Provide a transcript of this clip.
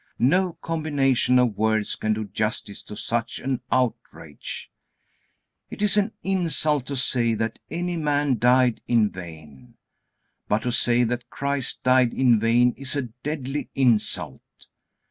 No combination of words can do justice to such an outrage. It is an insult to say that any man died in vain. But to say that Christ died in vain is a deadly insult.